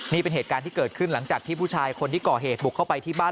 นี่เป็นเหตุการณ์ที่เกิดขึ้นหลังจากที่ผู้ชายคนที่ก่อเหตุบุกเข้าไปที่บ้าน